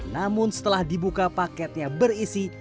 namun setelah dibuka paketnya berisi